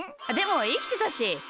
でも生きてたし！